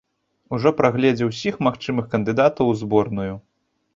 Ужо праглядзеў усіх магчымых кандыдатаў у зборную.